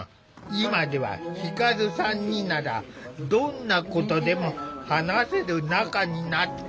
今では輝さんにならどんなことでも話せる仲になった。